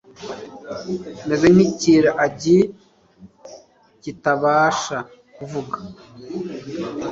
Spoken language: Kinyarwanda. meze nk’ikiragi kitabasha kuvuga